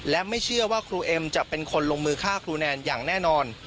และไม่เชื่อว่าครูเอ็มจะเป็นคนลงมือฆ่าครูแนนอย่างแน่นอน